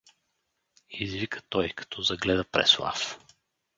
Извика той, като загледа Преслав.